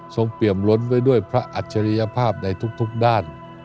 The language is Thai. เปี่ยมล้นไว้ด้วยพระอัจฉริยภาพในทุกด้าน